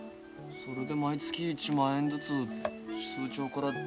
それで毎月１万円ずつ通帳から出てくわけだ。